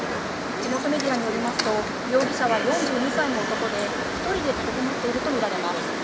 地元メディアによりますと、容疑者は４２歳の男で、１人で立てこもっていると見られます。